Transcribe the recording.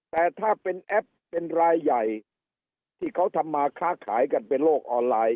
แต่ถ้าเป็นแอปเป็นรายใหญ่ที่เขาทำมาค้าขายกันเป็นโลกออนไลน์